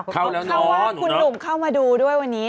เข้าแล้วค่ะคุณหลุมเข้ามาดูด้วยวันนี้